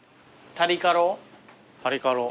タリカロ。